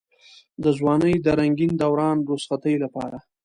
د ځوانۍ د رنګين دوران رخصتۍ لپاره.